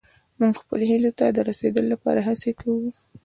موږ خپلو هيلو ته د رسيدا لپاره هڅې کوو.